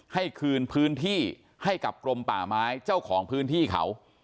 ให้คืนพื้นที่ให้กับกรมป่าไม้เจ้าของพื้นที่เขา